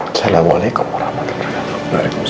assalamualaikum warahmatullahi wabarakatuh